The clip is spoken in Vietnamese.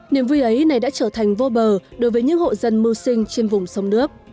niềm vui ấy này đã trở thành vô bờ đối với những hộ dân mưu sinh trên vùng sông nước